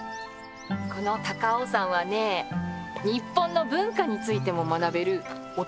この高尾山はね日本の文化についても学べるお得な場所なのよ！